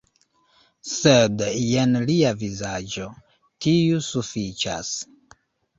Sed jen lia vizaĝo - tiu sufiĉas